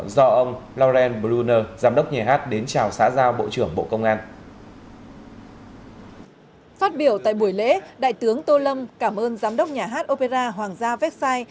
đại biểu tại buổi lễ đại tướng tô lâm cảm ơn giám đốc nhà hát opera hoàng gia vexai